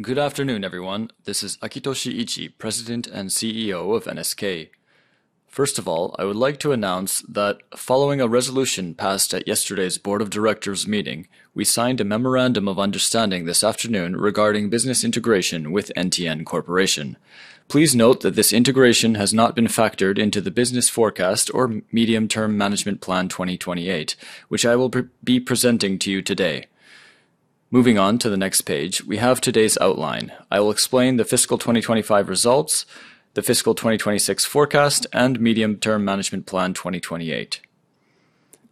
Good afternoon, everyone. This is Akitoshi Ichii, President and CEO of NSK. I would like to announce that following a resolution passed at yesterday's Board of Directors meeting, we signed a memorandum of understanding this afternoon regarding business integration with NTN Corporation. Please note that this integration has not been factored into the business forecast or Medium-Term Management Plan 2028, which I will be presenting to you today. We have today's outline. I will explain the FY 2025 results, the FY 2026 forecast, and Medium-Term Management Plan 2028.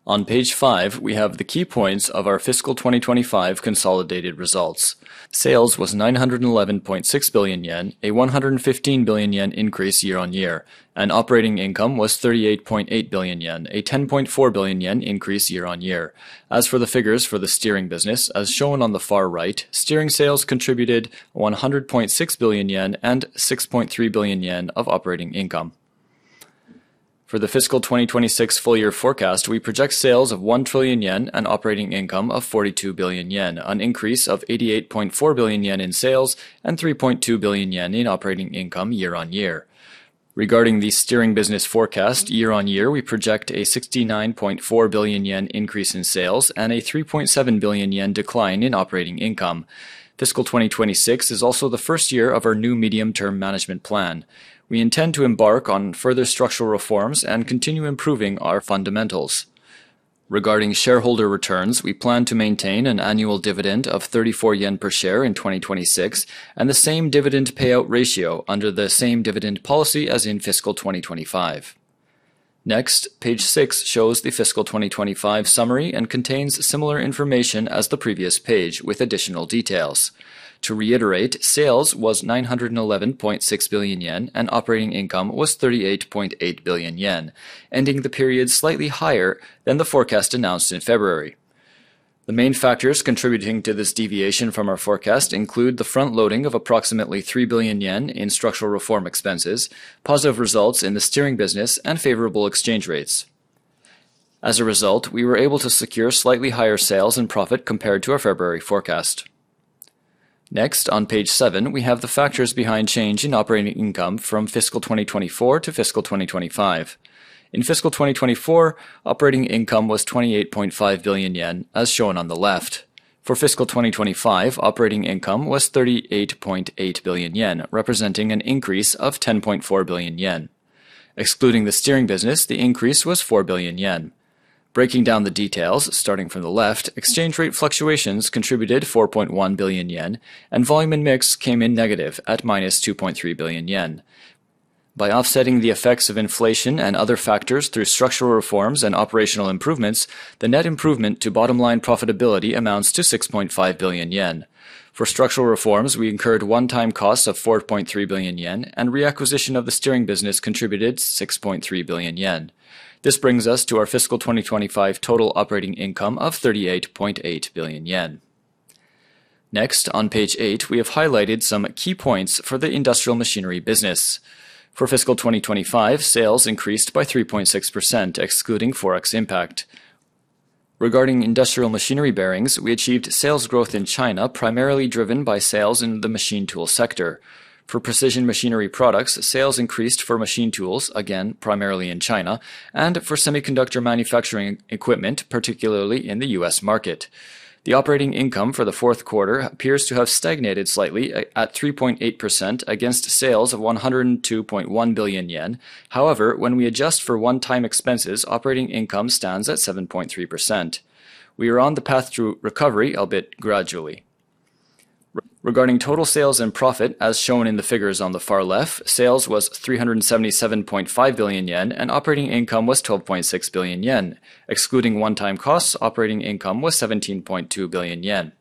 On page five, we have the key points of our FY 2025 consolidated results. Sales was 911.6 billion yen, a 115 billion yen increase year-on-year, operating income was 38.8 billion yen, a 10.4 billion yen increase year-on-year. As for the figures for the steering business, as shown on the far right, steering sales contributed 100.6 billion yen and 6.3 billion yen of operating income. For the fiscal 2026 full-year forecast, we project sales of 1 trillion yen and operating income of 42 billion yen, an increase of 88.4 billion yen in sales and 3.2 billion yen in operating income year-on-year. Regarding the steering business forecast, year-on-year, we project a 69.4 billion yen increase in sales and a 3.7 billion yen decline in operating income. Fiscal 2026 is also the first year of our new medium-term management plan. We intend to embark on further structural reforms and continue improving our fundamentals. Regarding shareholder returns, we plan to maintain an annual dividend of 34 yen per share in 2026 and the same dividend payout ratio under the same dividend policy as in fiscal 2025. Page six shows the fiscal 2025 summary and contains similar information as the previous page with additional details. To reiterate, sales was 911.6 billion yen and operating income was 38.8 billion yen, ending the period slightly higher than the forecast announced in February. The main factors contributing to this deviation from our forecast include the front-loading of approximately 3 billion yen in structural reform expenses, positive results in the steering business, and favorable exchange rates. As a result, we were able to secure slightly higher sales and profit compared to our February forecast. On page seven, we have the factors behind change in operating income from fiscal 2024-fiscal 2025. In fiscal 2024, operating income was 28.5 billion yen, as shown on the left. For fiscal 2025, operating income was 38.8 billion yen, representing an increase of 10.4 billion yen. Excluding the steering business, the increase was 4 billion yen. Breaking down the details, starting from the left, exchange rate fluctuations contributed 4.1 billion yen, and volume and mix came in negative at minus 2.3 billion yen. By offsetting the effects of inflation and other factors through structural reforms and operational improvements, the net improvement to bottom-line profitability amounts to 6.5 billion yen. For structural reforms, we incurred one-time costs of 4.3 billion yen, and reacquisition of the steering business contributed 6.3 billion yen. This brings us to our fiscal 2025 total operating income of 38.8 billion yen. On page eight, we have highlighted some key points for the industrial machinery business. For fiscal 2025, sales increased by 3.6%, excluding forex impact. Regarding industrial machinery bearings, we achieved sales growth in China, primarily driven by sales in the machine tool sector. For precision machinery products, sales increased for machine tools, again, primarily in China, and for semiconductor manufacturing equipment, particularly in the U.S. market. When we adjust for one-time expenses, operating income stands at 7.3%. We are on the path to recovery, albeit gradually. Regarding total sales and profit, as shown in the figures on the far left, sales was 377.5 billion yen and operating income was 12.6 billion yen. Excluding one-time costs, operating income was 17.2 billion yen.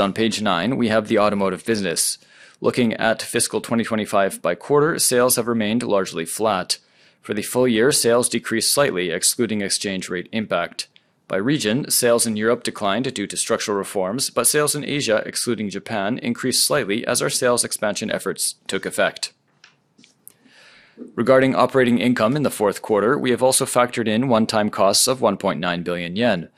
On page nine, we have the automotive business. Looking at fiscal 2025 by quarter, sales have remained largely flat. For the full year, sales decreased slightly, excluding exchange rate impact. By region, sales in Europe declined due to structural reforms, but sales in Asia, excluding Japan, increased slightly as our sales expansion efforts took effect. Regarding operating income in the fourth quarter, we have also factored in one-time costs of 1.9 billion yen.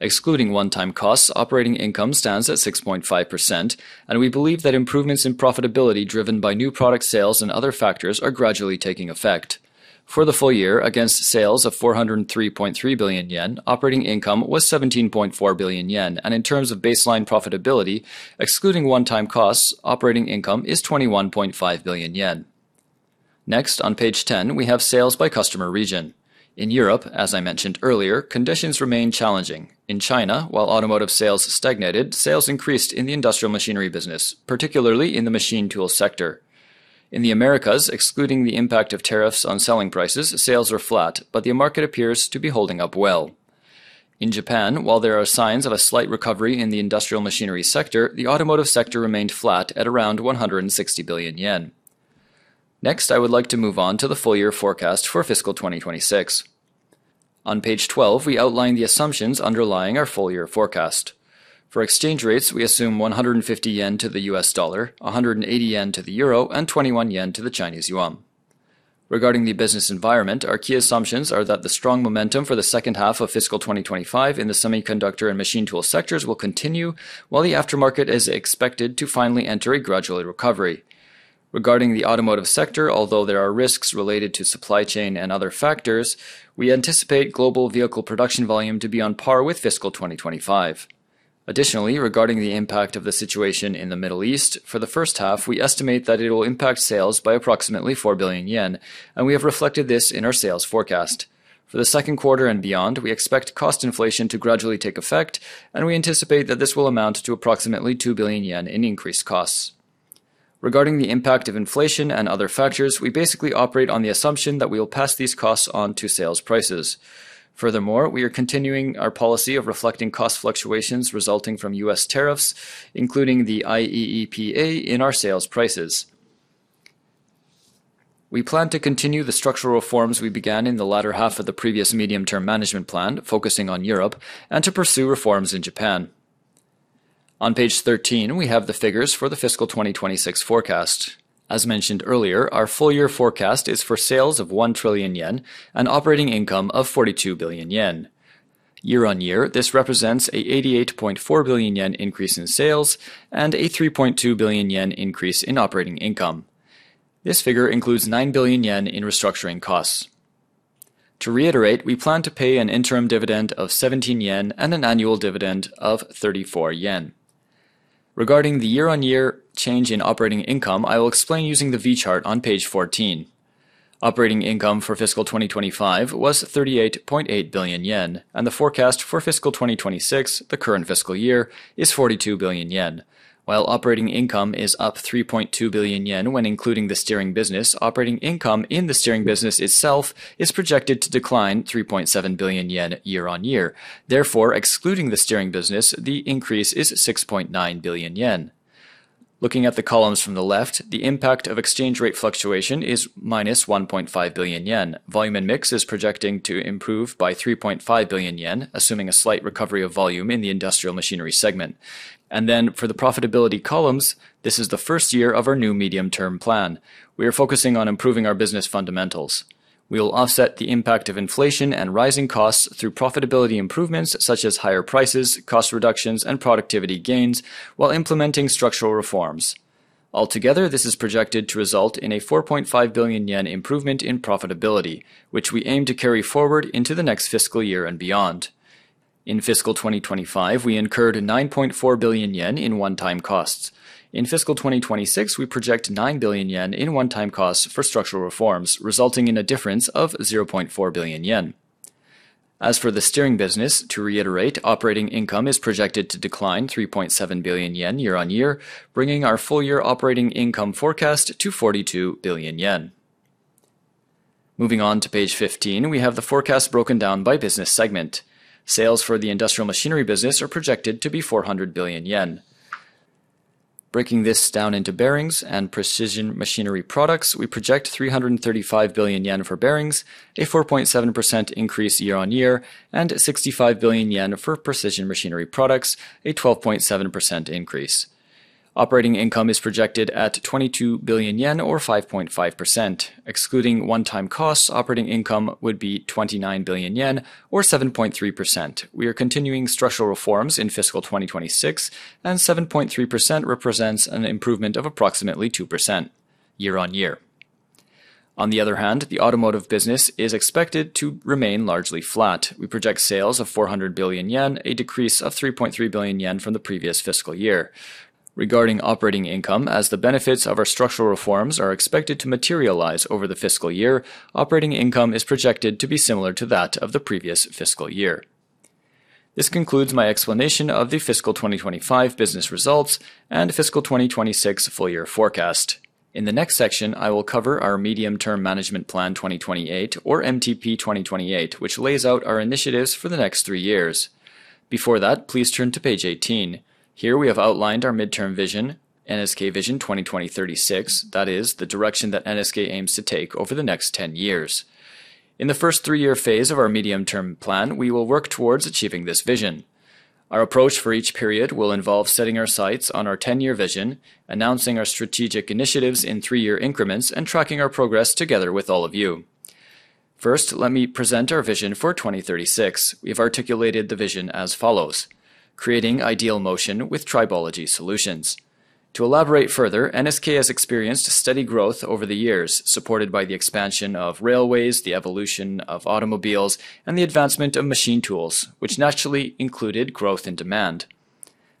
Excluding one-time costs, operating income stands at 6.5%, and we believe that improvements in profitability driven by new product sales and other factors are gradually taking effect. For the full year, against sales of 403.3 billion yen, operating income was 17.4 billion yen, and in terms of baseline profitability, excluding one-time costs, operating income is 21.5 billion yen. Next, on page 10, we have sales by customer region. In Europe, as I mentioned earlier, conditions remain challenging. In China, while automotive sales stagnated, sales increased in the industrial machinery business, particularly in the machine tool sector. In the Americas, excluding the impact of tariffs on selling prices, sales were flat, but the market appears to be holding up well. In Japan, while there are signs of a slight recovery in the industrial machinery sector, the automotive sector remained flat at around 160 billion yen. Next, I would like to move on to the full-year forecast for fiscal 2026. On page 12, we outline the assumptions underlying our full-year forecast. For exchange rates, we assume 150 yen to the U.S. dollar, 180 yen to the euro, and 21 yen to the Chinese yuan. Regarding the business environment, our key assumptions are that the strong momentum for the second half of fiscal 2025 in the semiconductor and machine tool sectors will continue, while the aftermarket is expected to finally enter a gradual recovery. Regarding the automotive sector, although there are risks related to supply chain and other factors, we anticipate global vehicle production volume to be on par with fiscal 2025. Regarding the impact of the situation in the Middle East, for the first half, we estimate that it will impact sales by approximately 4 billion yen, and we have reflected this in our sales forecast. For the second quarter and beyond, we expect cost inflation to gradually take effect, and we anticipate that this will amount to approximately 2 billion yen in increased costs. Regarding the impact of inflation and other factors, we basically operate on the assumption that we will pass these costs on to sales prices. We are continuing our policy of reflecting cost fluctuations resulting from U.S. tariffs, including the IEEPA, in our sales prices. We plan to continue the structural reforms we began in the latter half of the previous Medium-Term Management Plan, focusing on Europe, and to pursue reforms in Japan. On page 13, we have the figures for the fiscal 2026 forecast. As mentioned earlier, our full-year forecast is for sales of 1 trillion yen and operating income of 42 billion yen. Year-over-year, this represents a 88.4 billion yen increase in sales and a 3.2 billion yen increase in operating income. This figure includes 9 billion yen in restructuring costs. To reiterate, we plan to pay an interim dividend of 17 yen and an annual dividend of 34 yen. Regarding the year-on-year change in operating income, I will explain using the V-chart on page 14. Operating income for fiscal 2025 was 38.8 billion yen, and the forecast for fiscal 2026, the current fiscal year, is 42 billion yen. While operating income is up 3.2 billion yen when including the steering business, operating income in the steering business itself is projected to decline 3.7 billion yen year-on-year. Therefore, excluding the steering business, the increase is 6.9 billion yen. Looking at the columns from the left, the impact of exchange rate fluctuation is -1.5 billion yen. Volume and mix is projecting to improve by 3.5 billion yen, assuming a slight recovery of volume in the industrial machinery segment. For the profitability columns, this is the first year of our new Mid-Term Management Plan. We are focusing on improving our business fundamentals. We will offset the impact of inflation and rising costs through profitability improvements such as higher prices, cost reductions, and productivity gains while implementing structural reforms. Altogether, this is projected to result in a 4.5 billion yen improvement in profitability, which we aim to carry forward into the next fiscal year and beyond. In fiscal 2025, we incurred 9.4 billion yen in one-time costs. In fiscal 2026, we project 9 billion yen in one-time costs for structural reforms, resulting in a difference of 0.4 billion yen. As for the steering business, to reiterate, operating income is projected to decline 3.7 billion yen year-over-year, bringing our full-year operating income forecast to 42 billion yen. Moving on to page 15, we have the forecast broken down by business segment. Sales for the industrial machinery business are projected to be 400 billion yen. Breaking this down into bearings and precision machinery products, we project 335 billion yen for bearings, a 4.7% increase year-on-year, and 65 billion yen for precision machinery products, a 12.7% increase. Operating income is projected at 22 billion yen or 5.5%. Excluding one-time costs, operating income would be 29 billion yen or 7.3%. We are continuing structural reforms in fiscal 2026, and 7.3% represents an improvement of approximately 2% year-on-year. On the other hand, the automotive business is expected to remain largely flat. We project sales of 400 billion yen, a decrease of 3.3 billion yen from the previous fiscal year. Regarding operating income, as the benefits of our structural reforms are expected to materialize over the fiscal year, operating income is projected to be similar to that of the previous fiscal year. This concludes my explanation of the fiscal 2025 business results and fiscal 2026 full-year forecast. In the next section, I will cover our Medium-Term Management Plan 2028, or MTP2028, which lays out our initiatives for the next three years. Before that, please turn to page 18. Here, we have outlined our midterm vision, NSK Vision 2036. That is, the direction that NSK aims to take over the next 10 years. In the first three-year phase of our medium-term plan, we will work towards achieving this vision. Our approach for each period will involve setting our sights on our 10-year vision, announcing our strategic initiatives in three-year increments, and tracking our progress together with all of you. First, let me present our vision for 2036. We've articulated the vision as follows: Creating ideal motion with tribology solutions. To elaborate further, NSK has experienced steady growth over the years, supported by the expansion of railways, the evolution of automobiles, and the advancement of machine tools, which naturally included growth in demand.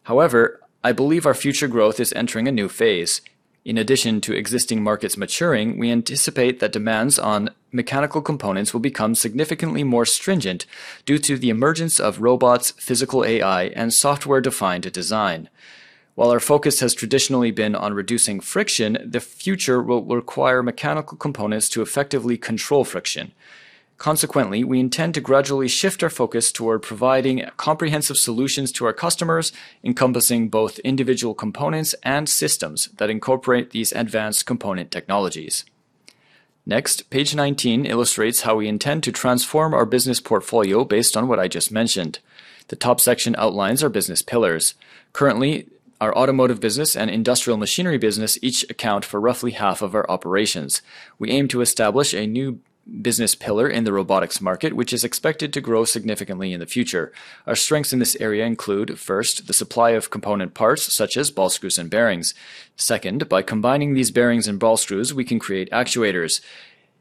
However, I believe our future growth is entering a new phase. In addition to existing markets maturing, we anticipate that demands on mechanical components will become significantly more stringent due to the emergence of robots, Physical AI, and software-defined design. While our focus has traditionally been on reducing friction, the future will require mechanical components to effectively control friction. Consequently, we intend to gradually shift our focus toward providing comprehensive solutions to our customers, encompassing both individual components and systems that incorporate these advanced component technologies. Next, page 19 illustrates how we intend to transform our business portfolio based on what I just mentioned. The top section outlines our business pillars. Currently, our automotive business and industrial machinery business each account for roughly half of our operations. We aim to establish a new business pillar in the robotics market, which is expected to grow significantly in the future. Our strengths in this area include, first, the supply of component parts such as ball screws and bearings. Second, by combining these bearings and ball screws, we can create actuators.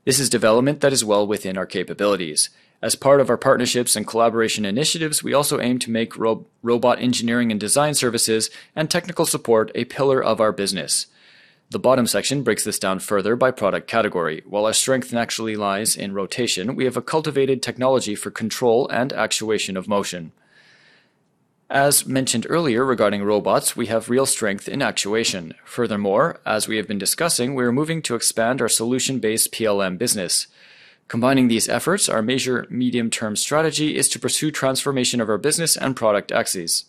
This is development that is well within our capabilities. As part of our partnerships and collaboration initiatives, we also aim to make robot engineering and design services and technical support a pillar of our business. The bottom section breaks this down further by product category. While our strength naturally lies in rotation, we have a cultivated technology for control and actuation of motion. As mentioned earlier regarding robots, we have real strength in actuation. Furthermore, as we have been discussing, we are moving to expand our solution-based PLM business. Combining these efforts, our major medium-term strategy is to pursue transformation of our business and product axes.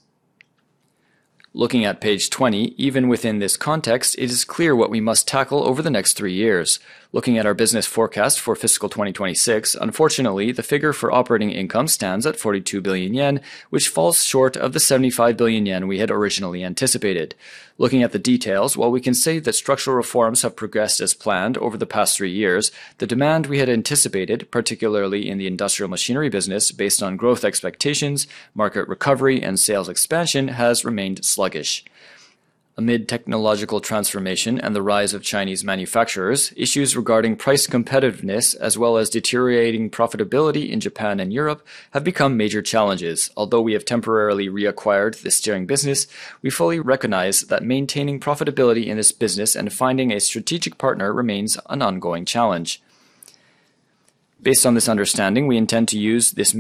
Looking at page 20, even within this context, it is clear what we must tackle over the next three years. Looking at our business forecast for fiscal 2026, unfortunately, the figure for operating income stands at 42 billion yen, which falls short of the 75 billion yen we had originally anticipated. Looking at the details, while we can say that structural reforms have progressed as planned over the past three years, the demand we had anticipated, particularly in the industrial machinery business, based on growth expectations, market recovery, and sales expansion, has remained sluggish. Amid technological transformation and the rise of Chinese manufacturers, issues regarding price competitiveness as well as deteriorating profitability in Japan and Europe have become major challenges. Although we have temporarily reacquired the steering business, we fully recognize that maintaining profitability in this business and finding a strategic partner remains an ongoing challenge. Based on this understanding, we intend to use this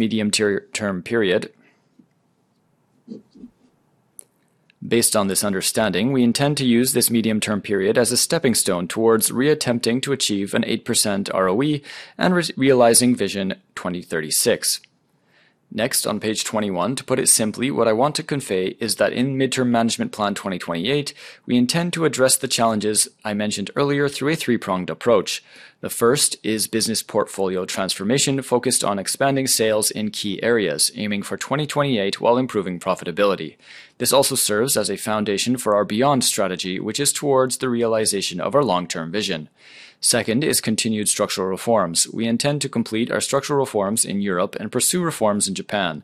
medium-term period as a stepping stone towards reattempting to achieve an 8% ROE and realizing NSK Vision 2026. Next, on page 21, to put it simply, what I want to convey is that in Medium-Term Management Plan 2028, we intend to address the challenges I mentioned earlier through a three-pronged approach. The first is business portfolio transformation, focused on expanding sales in key areas, aiming for 2028 while improving profitability. This also serves as a foundation for our beyond strategy, which is towards the realization of our long-term vision. Second is continued structural reforms. We intend to complete our structural reforms in Europe and pursue reforms in Japan.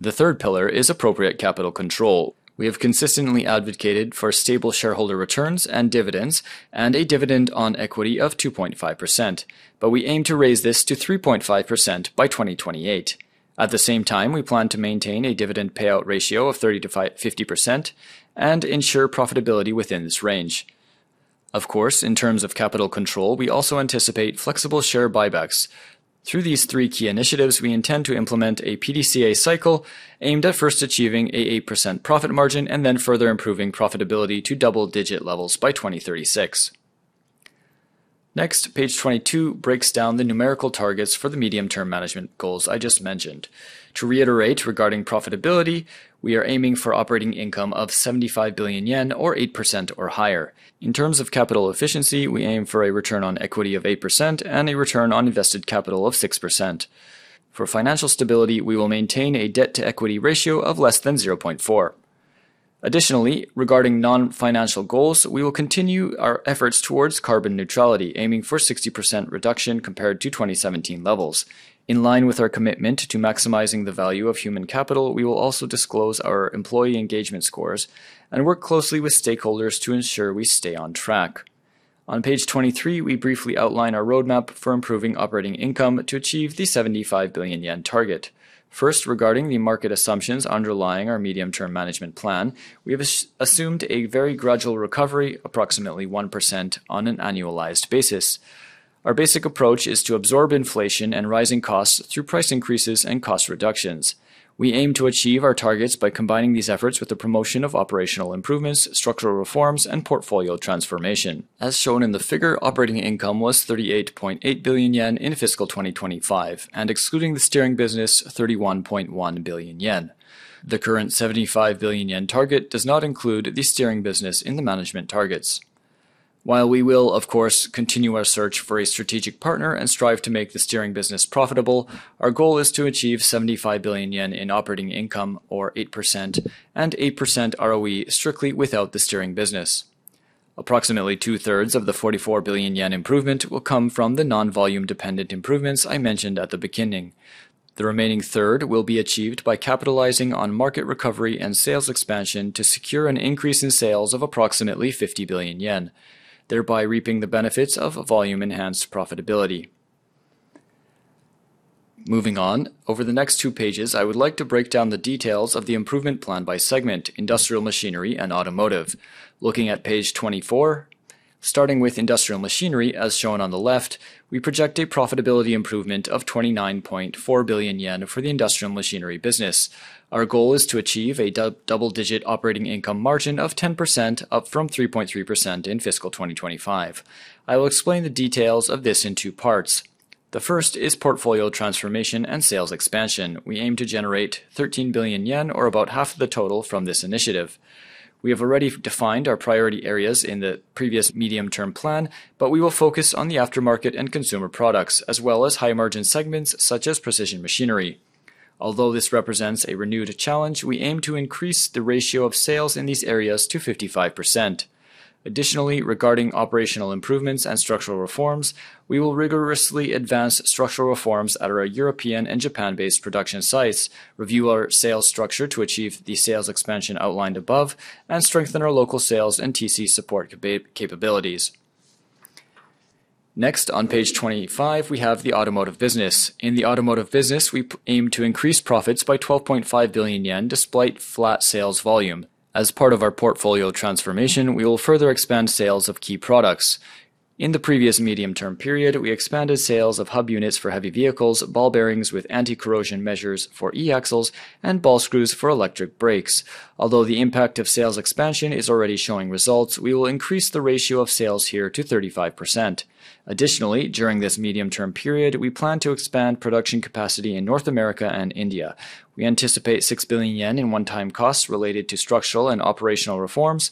The third pillar is appropriate capital control. We have consistently advocated for stable shareholder returns and dividends and a dividend on equity of 2.5%, but we aim to raise this to 3.5% by 2028. At the same time, we plan to maintain a dividend payout ratio of 35%-50% and ensure profitability within this range. Of course, in terms of capital control, we also anticipate flexible share buybacks. Through these three key initiatives, we intend to implement a PDCA cycle aimed at first achieving an 8% profit margin and then further improving profitability to double-digit levels by 2036. Page 22 breaks down the numerical targets for the Medium-Term Management Goals I just mentioned. To reiterate, regarding profitability, we are aiming for operating income of 75 billion yen or 8% or higher. In terms of capital efficiency, we aim for a return on equity of 8% and a return on invested capital of 6%. For financial stability, we will maintain a debt-to-equity ratio of less than 0.4. Regarding non-financial goals, we will continue our efforts towards carbon neutrality, aiming for 60% reduction compared to 2017 levels. In line with our commitment to maximizing the value of human capital, we will also disclose our employee engagement scores and work closely with stakeholders to ensure we stay on track. On page 23, we briefly outline our roadmap for improving operating income to achieve the 75 billion yen target. First, regarding the market assumptions underlying our medium-term management plan, we have assumed a very gradual recovery, approximately 1% on an annualized basis. Our basic approach is to absorb inflation and rising costs through price increases and cost reductions. We aim to achieve our targets by combining these efforts with the promotion of operational improvements, structural reforms, and portfolio transformation. As shown in the figure, operating income was 38.8 billion yen in fiscal 2025, and excluding the steering business, 31.1 billion yen. The current 75 billion yen target does not include the steering business in the management targets. While we will, of course, continue our search for a strategic partner and strive to make the steering business profitable, our goal is to achieve 75 billion yen in operating income or 8% and 8% ROE strictly without the steering business. Approximately 2/3 of the 44 billion yen improvement will come from the non-volume dependent improvements I mentioned at the beginning. The remaining third will be achieved by capitalizing on market recovery and sales expansion to secure an increase in sales of approximately 50 billion yen, thereby reaping the benefits of volume-enhanced profitability. Moving on, over the next two pages, I would like to break down the details of the improvement plan by segment, industrial machinery, and automotive. Looking at page 24, starting with industrial machinery, as shown on the left, we project a profitability improvement of 29.4 billion yen for the industrial machinery business. Our goal is to achieve a double-digit operating income margin of 10%, up from 3.3% in fiscal 2025. I will explain the details of this in two parts. The first is portfolio transformation and sales expansion. We aim to generate 13 billion yen or about half of the total from this initiative. We have already defined our priority areas in the previous medium-term plan, but we will focus on the aftermarket and consumer products, as well as high-margin segments such as precision machinery. Although this represents a renewed challenge, we aim to increase the ratio of sales in these areas to 55%. Additionally, regarding operational improvements and structural reforms, we will rigorously advance structural reforms at our European and Japan-based production sites, review our sales structure to achieve the sales expansion outlined above, and strengthen our local sales and TC support capabilities. Next, on page 25, we have the automotive business. In the automotive business, we aim to increase profits by 12.5 billion yen despite flat sales volume. As part of our portfolio transformation, we will further expand sales of key products. In the previous medium-term period, we expanded sales of hub units for heavy vehicles, ball bearings with anti-corrosion measures for e-axles, and ball screws for electric brakes. Although the impact of sales expansion is already showing results, we will increase the ratio of sales here to 35%. Additionally, during this medium-term period, we plan to expand production capacity in North America and India. We anticipate 6 billion yen in one-time costs related to structural and operational reforms.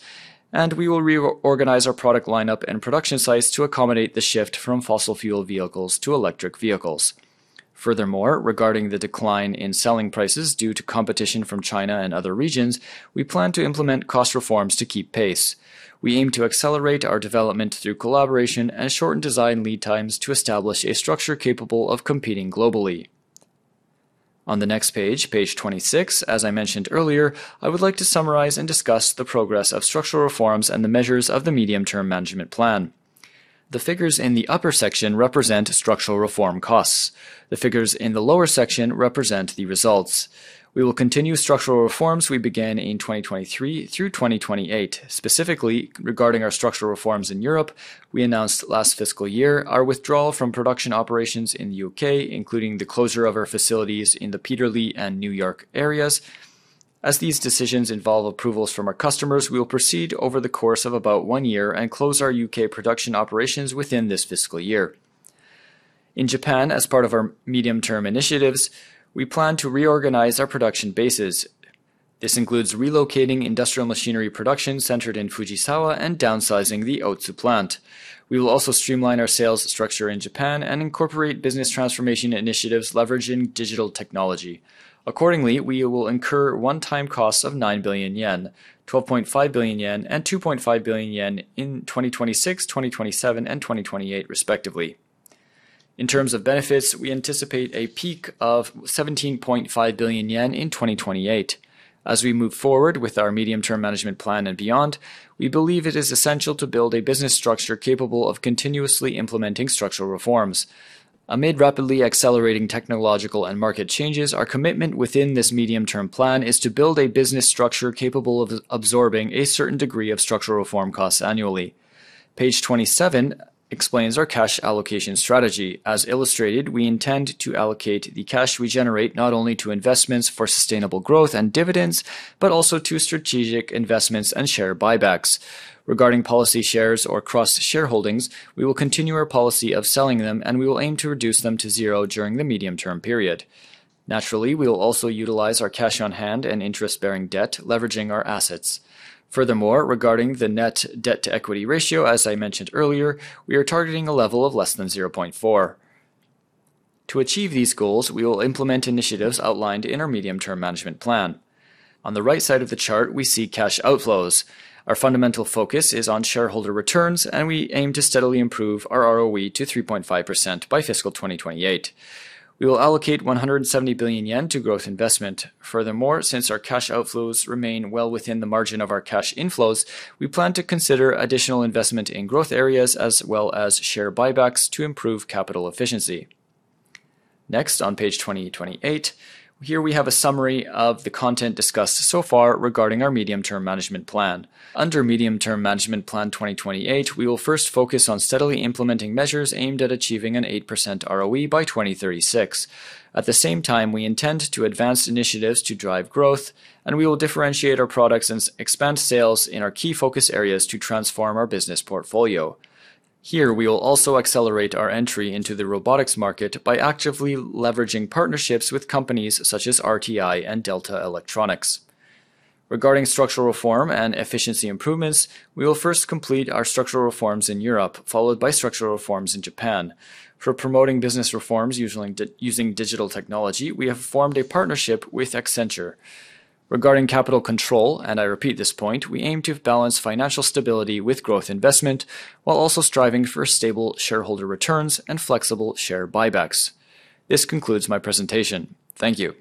We will reorganize our product lineup and production sites to accommodate the shift from fossil fuel vehicles to electric vehicles. Regarding the decline in selling prices due to competition from China and other regions, we plan to implement cost reforms to keep pace. We aim to accelerate our development through collaboration and shorten design lead times to establish a structure capable of competing globally. On the next page 26, as I mentioned earlier, I would like to summarize and discuss the progress of structural reforms and the measures of the Medium-Term Management Plan. The figures in the upper section represent structural reform costs. The figures in the lower section represent the results. We will continue structural reforms we began in 2023 through 2028. Specifically, regarding our structural reforms in Europe, we announced last fiscal year our withdrawal from production operations in the U.K., including the closure of our facilities in the Peterlee and Newark areas. As these decisions involve approvals from our customers, we will proceed over the course of about one year and close our U.K. production operations within this fiscal year. In Japan, as part of our medium-term initiatives, we plan to reorganize our production bases. This includes relocating industrial machinery production centered in Fujisawa and downsizing the Otsu Plant. We will also streamline our sales structure in Japan and incorporate business transformation initiatives leveraging digital technology. Accordingly, we will incur one-time costs of 9 billion yen, 12.5 billion yen, and 2.5 billion yen in 2026, 2027, and 2028, respectively. In terms of benefits, we anticipate a peak of 17.5 billion yen in 2028. As we move forward with our Medium-Term Management Plan and beyond, we believe it is essential to build a business structure capable of continuously implementing structural reforms. Amid rapidly accelerating technological and market changes, our commitment within this Medium-Term Management Plan is to build a business structure capable of absorbing a certain degree of structural reform costs annually. Page 27 explains our cash allocation strategy. As illustrated, we intend to allocate the cash we generate not only to investments for sustainable growth and dividends but also to strategic investments and share buybacks. Regarding policy shares or cross-shareholdings, we will continue our policy of selling them, and we will aim to reduce them to zero during the Medium-Term period. Naturally, we will also utilize our cash on hand and interest-bearing debt, leveraging our assets. Regarding the net debt-to-equity ratio, as I mentioned earlier, we are targeting a level of less than 0.4. To achieve these goals, we will implement initiatives outlined in our medium-term management plan. On the right side of the chart, we see cash outflows. Our fundamental focus is on shareholder returns, and we aim to steadily improve our ROE to 3.5% by fiscal 2028. We will allocate 170 billion yen to growth investment. Since our cash outflows remain well within the margin of our cash inflows, we plan to consider additional investment in growth areas as well as share buybacks to improve capital efficiency. On page 28, here we have a summary of the content discussed so far regarding our medium-term management plan. Medium-Term Management Plan 2028, we will first focus on steadily implementing measures aimed at achieving an 8% ROE by 2036. At the same time, we intend to advance initiatives to drive growth, and we will differentiate our products and expand sales in our key focus areas to transform our business portfolio. Here, we will also accelerate our entry into the robotics market by actively leveraging partnerships with companies such as RT Corporation and Delta Electronics. Regarding structural reform and efficiency improvements, we will first complete our structural reforms in Europe, followed by structural reforms in Japan. For promoting business reforms using digital technology, we have formed a partnership with Accenture. Regarding capital control, and I repeat this point, we aim to balance financial stability with growth investment while also striving for stable shareholder returns and flexible share buybacks. This concludes my presentation. Thank you.